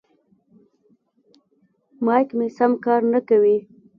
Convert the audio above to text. مایک مې سم کار نه کوي.